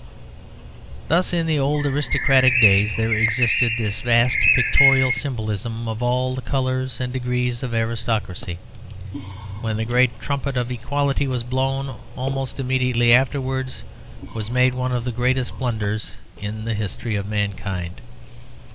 Thus in the old aristocratic days there existed this vast pictorial symbolism of all the colours and degrees of aristocracy. When the great trumpet of equality was blown, almost immediately afterwards was made one of the greatest blunders in the history of mankind.